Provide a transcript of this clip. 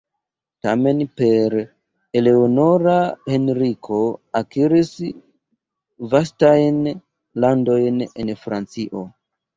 Tamen per Eleonora, Henriko akiris vastajn landojn en Francio.